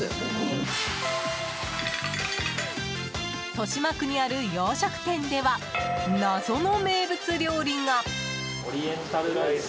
豊島区にある洋食店では謎の名物料理が。